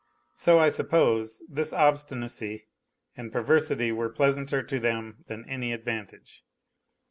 So, I suppose, this obstinacy and perversity were pleasanter to them than any advantage.